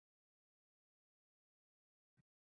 G‘azalini yod olishini talab qilaman.